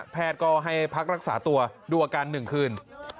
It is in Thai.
แพทย์ก็ให้พักรักษาตัวดูอาการ๑คืน